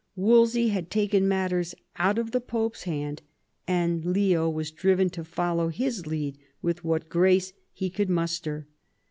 Wolsey had taken matters out of the Pope's hand, and Leo was driven to follow his lead with what grace he could muster.